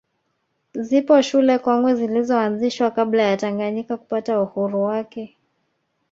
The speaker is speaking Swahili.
Zipo shule kongwe zilizoanzishwa kabla ya Tanganyika kupata uhuru wake